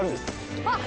あっ！